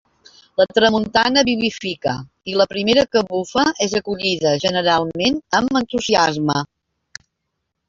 La tramuntana vivifica, i la primera que bufa és acollida generalment amb entusiasme.